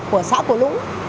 của xã cổ lũng